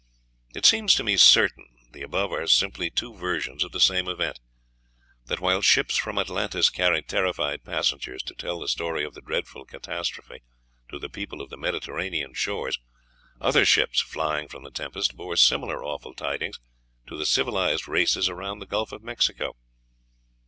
It seems to me certain the above are simply two versions of the same event; that while ships from Atlantis carried terrified passengers to tell the story of the dreadful catastrophe to the people of the Mediterranean shores, other ships, flying from the tempest, bore similar awful tidings to the civilized races around the Gulf of Mexico.